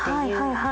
はい。